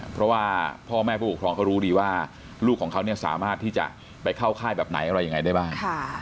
เพราะว่าพ่อแม่ผู้ปกครองเขารู้ดีว่าลูกของเขาสามารถที่จะไปเข้าค่ายแบบไหนอะไรยังไงได้บ้าง